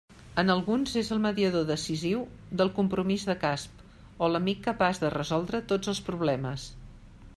En alguns és el mediador decisiu del Compromís de Casp o l'amic capaç de resoldre tots els problemes.